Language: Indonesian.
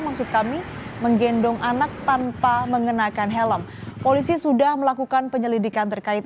maksud kami menggendong anak tanpa mengenakan helm polisi sudah melakukan penyelidikan terkait